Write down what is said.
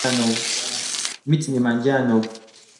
Miti ni manjano